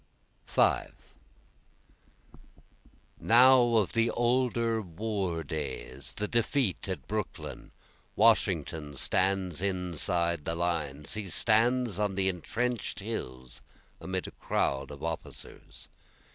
5 Now of the older war days, the defeat at Brooklyn, Washington stands inside the lines, he stands on the intrench'd hills amid a crowd of officers.